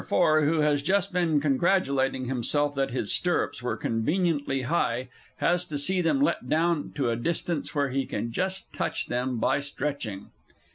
(_No. 4, who has just been congratulating himself that his stirrups were conveniently high, has to see them let down to a distance where he can just touch them by stretching.